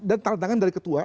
dan tanggung tangan dari ketua